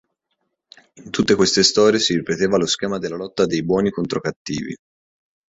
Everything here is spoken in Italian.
In tutte queste storie si ripeteva lo schema della lotta dei "buoni contro cattivi".